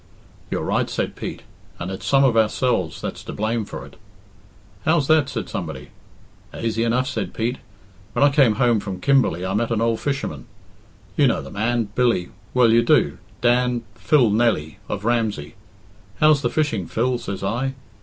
"You're right," said Pete, "and it's some of ourselves that's to blame for it." "How's that?" said somebody. "Aisy enough," said Pete. "When I came home from Kimberly I met an ould fisherman you know the man, Billy well, you do, Dan Phil Nelly, of Ramsey. 'How's the fishing, Phil?' says I.